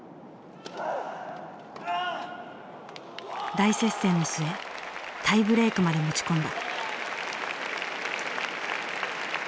大接戦の末タイブレークまで持ち込んだ。